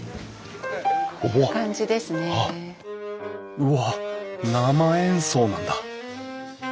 うわっ生演奏なんだ！